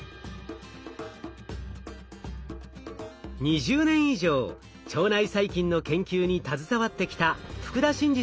２０年以上腸内細菌の研究に携わってきた福田真嗣さんです。